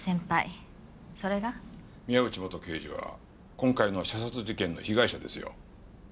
宮内元刑事は今回の射殺事件の被害者ですよ。